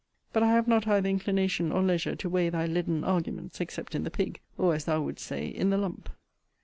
But I have not either inclination or leisure to weigh thy leaden arguments, except in the pig, or, as thou wouldst say, in the lump.